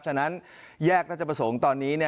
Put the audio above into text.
ฉะนั้นแยกราชประสงค์ตอนนี้